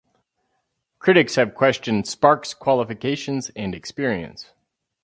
Critics have questioned Sparks's qualifications and experience.